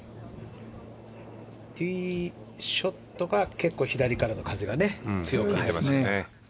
ティーショットが結構、左からの風が強く入りましたね。